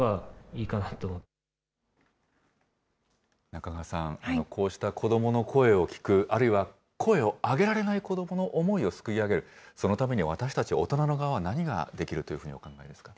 中川さん、こうした子どもの声を聞く、あるいは声を上げられない子どもの思いをすくい上げる、そのためには、私たちおとなの側が、何ができるというふうにお考えですか。